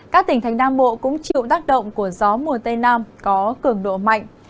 các tỉnh thành nam bộ cũng chịu tác động của gió mùa tây nam có cường độ mạnh